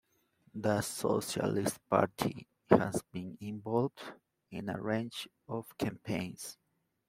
The Socialist Party has been involved in a range of campaigns.